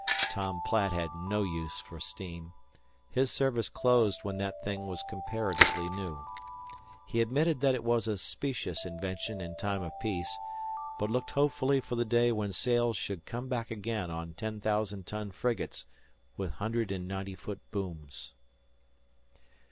Tom Platt had no use for steam. His service closed when that thing was comparatively new. He admitted that it was a specious invention in time of peace, but looked hopefully for the day when sails should come back again on ten thousand ton frigates with hundred and ninety foot booms.